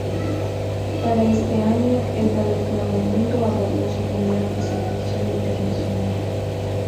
Para ese año el Ballet Nuevo Mundo abordó su primera presentación internacional.